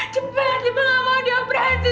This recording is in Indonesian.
cepat ibu tidak mau dioperasi